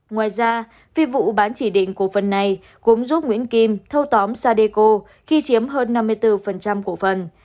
ngoài ra phi vụ bán chỉ định cổ phần này cũng giúp nguyễn kim thâu tóm sadeco khi chiếm hơn năm mươi bốn cổ phần